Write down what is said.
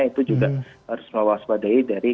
itu juga harus mewaspadai dari